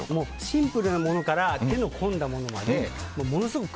シンプルなものから手の込んだものまでものすごい